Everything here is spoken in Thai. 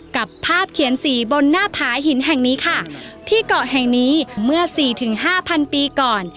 กับภาพเขียนสีบนหน้าผาหินแห่งนี้ค่ะที่เกาะแห่งนี้เมื่อสี่ถึงห้าพันปีก่อน